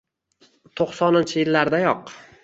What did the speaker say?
to'qsoninchi yillardayoq